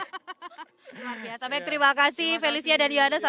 luar biasa baik terima kasih felicia dan yohanes